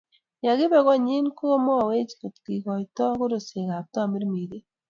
Ye kibe kot nyi komakwech kekoite koroseek ab tamirmiriet